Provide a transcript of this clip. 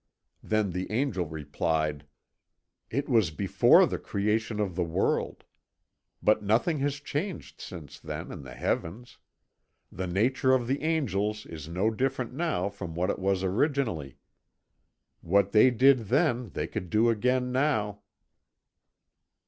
Then the Angel replied: "It was before the creation of the world. But nothing has changed since then in the heavens. The nature of the Angels is no different now from what it was originally. What they did then they could do again now."